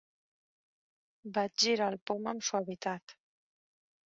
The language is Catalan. Vaig girar el pom amb suavitat.